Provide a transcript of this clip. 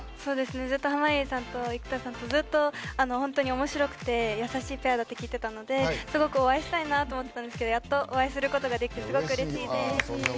ずっと濱家さんと生田さんとずっと本当におもしろくて優しいペアだって聞いてたのですごくお会いしたいなと思っててやっとお会いすることができてすごくうれしいです。